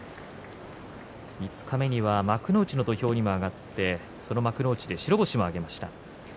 五日目には幕内の土俵にも上がってその幕内で白星も挙げました。